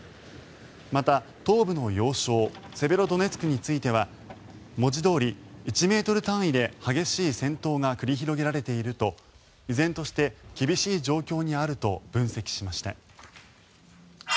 また、東部の要衝セベロドネツクについては文字どおり１ｍ単位で激しい戦闘が繰り広げられていると依然として厳しい状況にあると分析しました。